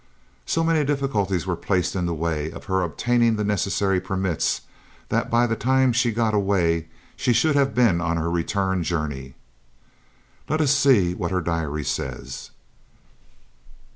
So many difficulties were placed in the way of her obtaining the necessary permits that by the time she got away she should have been on her return journey. Let us see what her diary says.